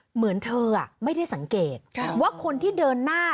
เหมือนเธอไม่ได้สังเกตว่าคนที่เดินหน้า